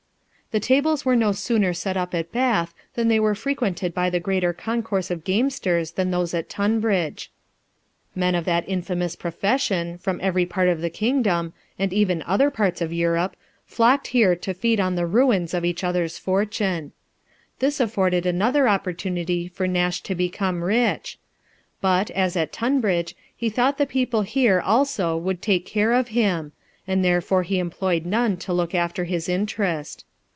The tables were no sooner set up at Bath, than they were frequented by a greater concourse of gamesters than those at Tunbridge. Men of that infamous profession, from every part of the kingdom, and even other parts of Europe, flocked here to feed on the ruins of each other's fortune. This afforded another opportunity for Nash to become rich ; but, as at Tunbridge, he thought the people here also would take care of him, and therefore he employed none to look after his interest.